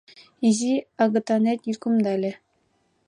Изи агытанет йӱкымдале.